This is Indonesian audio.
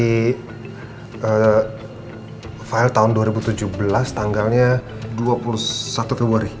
file tahun dua ribu tujuh belas tanggalnya dua puluh satu februari